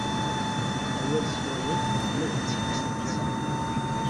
Awal s wayeḍ, ma d times tensa.